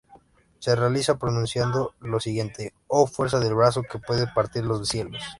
Se realiza pronunciando lo siguiente: "Oh, fuerza del brazo que puede partir los cielos".